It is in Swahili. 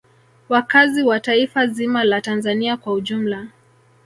Wakazi wa taifa zima la Tanzania kwa ujumla